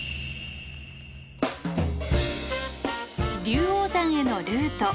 龍王山へのルート。